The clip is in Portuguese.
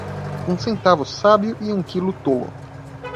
Um centavo sábio e um quilo tolo.